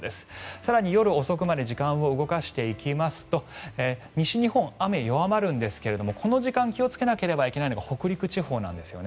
更に夜遅くまで時間を動かしていくと西日本、雨は弱まるんですがこの時間気をつけなければいけないのが北陸地方なんですよね。